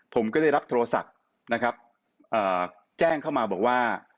ผมก็ได้รับโทรศัพท์นะครับแจ้งเข้ามาบอกว่า